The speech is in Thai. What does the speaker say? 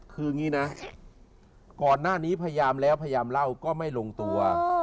คืออย่างนี้นะก่อนหน้านี้พยายามแล้วพยายามเล่าก็ไม่ลงตัว